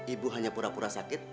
ibu hanya pura pura sakit